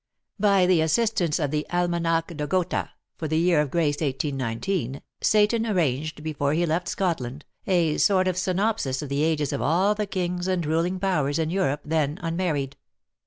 By the assistance of the Almanach de Gotha for the year of grace 1819, Seyton arranged, before he left Scotland, a sort of synopsis of the ages of all the kings and ruling powers in Europe then unmarried.